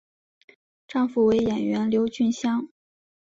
丈夫为演员刘俊相。